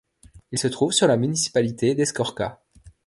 Il se trouve sur la municipalité d'Escorca.